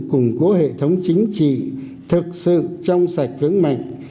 củng cố hệ thống chính trị thực sự trong sạch vững mạnh